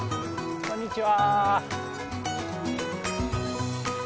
こんにちは。